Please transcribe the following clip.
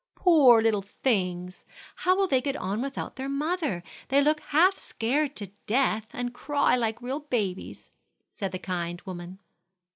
"Poor little things! how will they get on without their mother? They look half scared to death, and cry like real babies," said the kind woman.